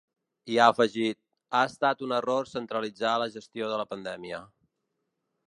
I ha afegit: Ha estat un error centralitzar la gestió de la pandèmia.